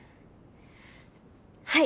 はい。